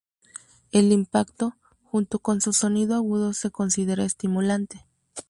El impacto, junto con su sonido agudo se considera estimulante.